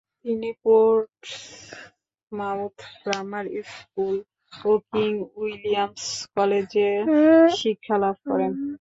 তিনি Portsmouth grammar school ও King William's কলেজে শিক্ষালাভ করেন।